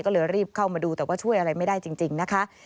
ก็เลยรีบเข้ามาดูแต่ว่าช่วยอะไรไม่ได้จริงนะคะ